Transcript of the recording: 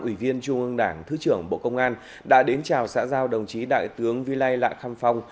ủy viên trung ương đảng thứ trưởng bộ công an đã đến chào xã giao đồng chí đại tướng vi lai lạ khăm phong